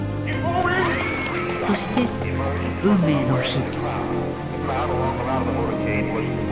そして運命の日。